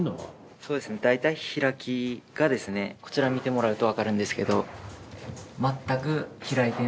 そうですね大体開きがこちら見てもらうとわかるんですけど。